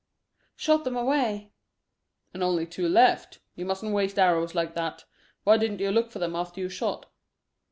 "Shot them away." "And only two left. You mustn't waste arrows like that. Why didn't you look for them after you shot?"